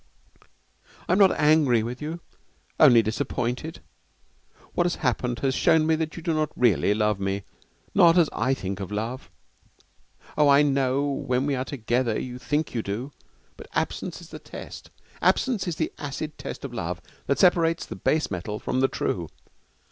'I am not angry with you, only disappointed. What has happened has shown me that you do not really love me, not as I think of love. Oh, I know that when we are together you think you do, but absence is the test. Absence is the acid test of love that separates the base metal from the true.